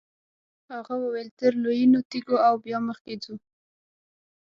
هغه وویل تر لویینو تیریږو او بیا مخکې ځو.